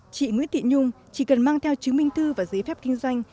chị nguyễn thị nhung chỉ cần mang theo chứng minh thư và giấy phép kinh doanh